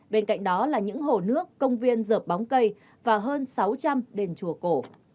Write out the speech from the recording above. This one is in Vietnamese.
bên cạnh đó là những hồ nước công viên dợp bóng cây và hơn sáu trăm linh đền chùa cổ